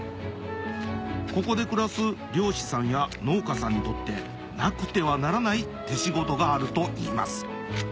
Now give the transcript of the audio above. ここで暮らす漁師さんや農家さんにとってなくてはならない手仕事があるといいます